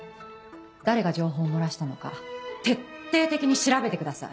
誰が情報を漏らしたのか徹底的に調べてください。